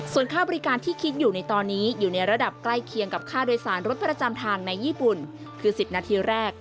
ส่วนค่าบริการที่คิดอยู่ในตอนนี้อยู่ในระดับใกล้เคียงกับค่าโดยสารรถประจำทางในญี่ปุ่นคือ๑๐นาทีแรก